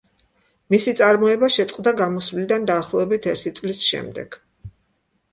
მისი წარმოება შეწყდა გამოსვლიდან დაახლოებით ერთი წლის შემდეგ.